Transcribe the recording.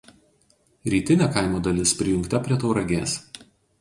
Rytinė kaimo dalis prijungta prie Tauragės.